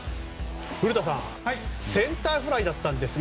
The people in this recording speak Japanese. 古田さん、センターフライだったんですが。